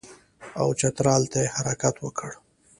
او چترال ته یې حرکت وکړ.